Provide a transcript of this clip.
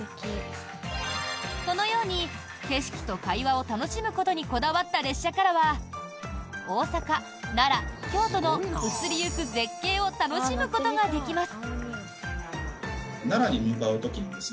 このように景色と会話を楽しむことにこだわった列車からは大阪、奈良、京都の移りゆく絶景を楽しむことができます！